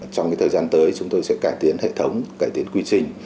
trong thời gian tới chúng tôi sẽ cải tiến hệ thống cải tiến quy trình